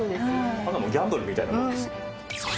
ただのギャンブルみたいなものです。